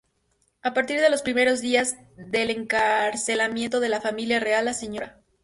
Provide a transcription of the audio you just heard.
A partir de los primeros días del encarcelamiento de la familia real, la Sra.